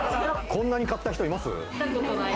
こんなに買った人います？